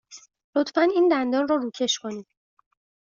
لطفاً این دندان را روکش کنید.